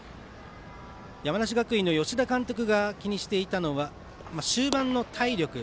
山梨学院の吉田監督が気にしていたのは終盤の体力。